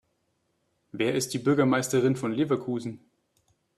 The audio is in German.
Wer ist die Bürgermeisterin von Leverkusen?